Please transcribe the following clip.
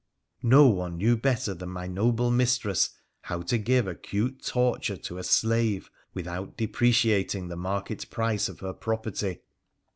No one knew better than my noble mistress how to give acute torture to a slave without depreciating the market price of her property.